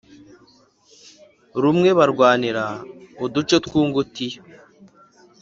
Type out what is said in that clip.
rumwe barwanira uduce tw' ungutiya